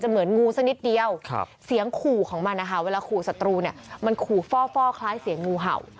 เหมือนงูสักนิดเดียวเสียงขู่ของมันนะคะเวลาขู่ศัตรูเนี่ยมันขู่ฟ่อคล้ายเสียงงูเห่า